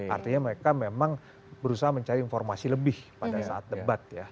artinya mereka memang berusaha mencari informasi lebih pada saat debat ya